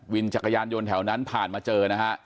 จักรยานยนต์แถวนั้นผ่านมาเจอนะฮะ